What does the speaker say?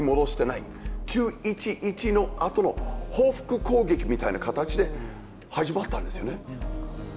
９．１１のあとの報復攻撃みたいな形で始まったんですよね。